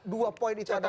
dua poin itu ada komentar